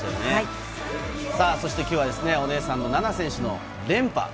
そして今日はお姉さんの菜那選手の連覇。